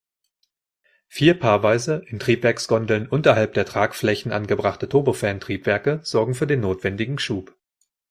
Vier paarweise, in Triebwerksgondeln unterhalb der Tragflächen angebrachte Turbofan-Triebwerke sorgen für den notwendigen Schub.